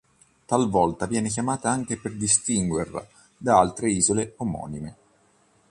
Talvolta viene chiamata anche per distinguerla da altre isole omonime.